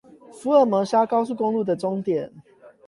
福爾摩沙高速公路的終點